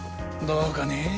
どうかね？